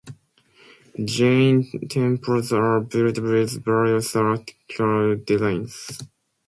Jain temples are built with various architectural designs.